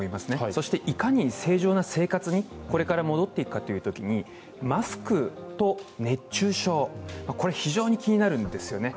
そして、いかに正常な生活にこれから戻っていくかというときにマスクと熱中症、非常に気になるんですよね。